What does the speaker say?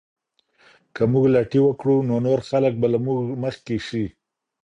که موږ لټي وکړو نو نور خلګ به له موږ مخکې سي.